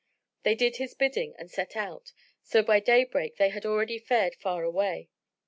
They did his bidding and set out, so by daybreak they had already fared far away.